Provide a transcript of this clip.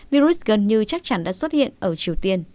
virus gần như chắc chắn đã xuất hiện ở triều tiên